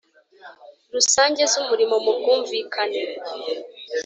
rusange z umurimo mu bwumvikane